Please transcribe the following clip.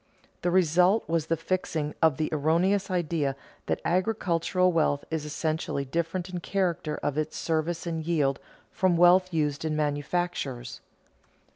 The result was the fixing of the erroneous idea that agricultural wealth is essentially different in the character of its service and yield from wealth used in manufactures.